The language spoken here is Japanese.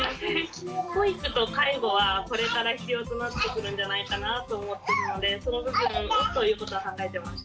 保育と介護はこれから必要となってくるんじゃないかなと思ってるのでその部分をということは考えてます。